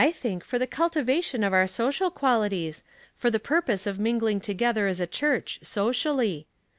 "/ think for the cultivation of our social qualities, for the purpose of mingling together as a church socially.